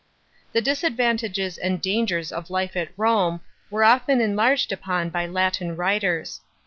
*§ 3 The disadvantages and dangers of life at Rome are often enbrged upon by Latin writers.